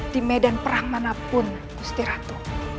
di medan perang manapun gusti ratu